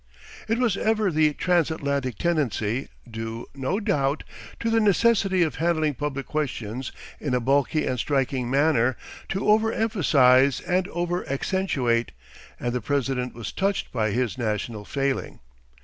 It was ever the Transatlantic tendency, due, no doubt, to the necessity of handling public questions in a bulky and striking manner, to over emphasise and over accentuate, and the president was touched by his national failing.